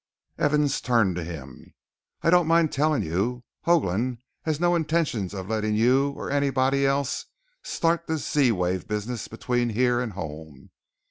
Evans turned to him. "I don't mind telling you. Hoagland has no intention of letting you or anybody else start this Z wave business between here and home."